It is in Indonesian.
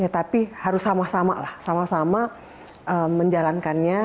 tapi harus sama sama lah sama sama menjalankannya